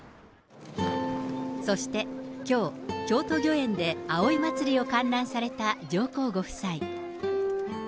そしてきょう、京都御苑で葵祭を観覧された上皇ご夫妻。